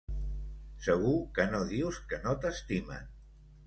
Segur que no dius que no t'estimen!